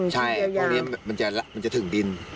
ใช่พวกนี้มันจะถึงดิน